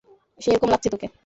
সেরকমই লাগছে তোকে।